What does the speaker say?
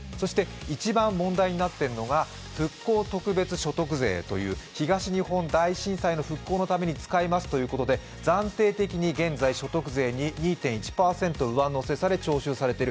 一番問題になっているのは復興特別所得税という東日本大震災の復興のために使いますということで暫定的に現在所得税に２．１％上乗せされ税収されている。